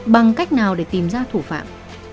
bằng cách nào để tìm ra thủ phạm